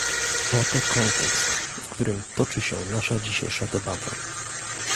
Oto kontekst, w którym toczy się nasza dzisiejsza debata